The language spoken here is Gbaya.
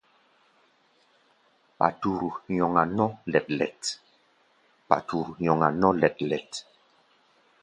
Paturu nyɔŋa nɔ́ lɛ́t-lɛ́t.